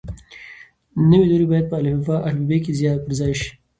نوي توري باید په الفبې کې ځای پر ځای شي.